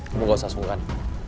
kamu gak usah sungkan